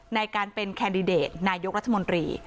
ในการเป็นแคนดิเดตนายกรัฐมนตรี